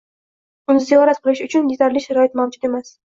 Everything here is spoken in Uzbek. Uni ziyorat qilish uchun yetarli sharoit mavjud emas.